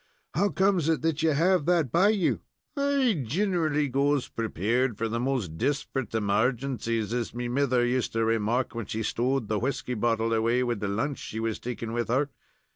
"How comes it that you have that by you?" "I ginerally goes prepared for the most desprit emargencies, as me mither used to remark when she stowed the whisky bottle away wid the lunch she was takin' with her.